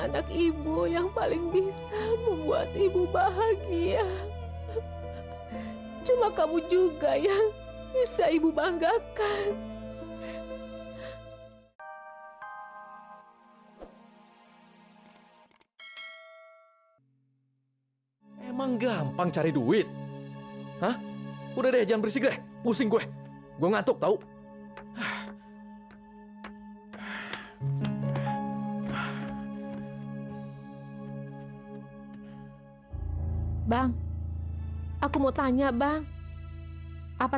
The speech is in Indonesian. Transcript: sampai jumpa di video selanjutnya